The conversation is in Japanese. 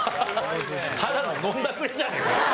ただの飲んだくれじゃねえかよ。